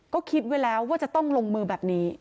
ก็คิดไว้แล้วว่าจะต้องลงมือแบบนี้